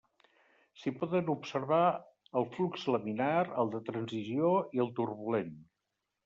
S'hi poden observar el flux laminar, el de transició i el turbulent.